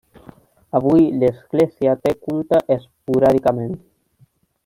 Avui l'església té culte esporàdicament.